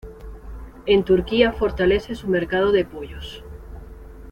En Turquía fortalece su mercado de pollos.